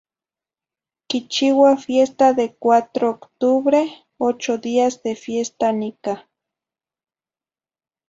Quichiua fiesta de cuatro octubre, ocho días de fiesta nicah.